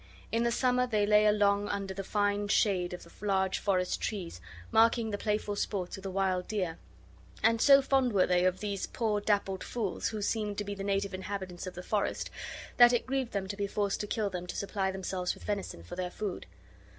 In the summer they lay along under the fine shade of the large forest trees, marking the playful sports of the wild deer; and so fond were they of these poor dappled fools, who seemed to be the native inhabitants of the forest, that it grieved them to be forced to kill them to supply themselves with venison for their food.